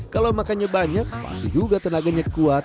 kalau makannya banyak pasti juga tenaganya kuat